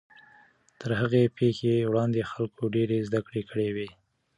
تر هغې پیښې وړاندې خلکو ډېرې زدهکړې کړې وې.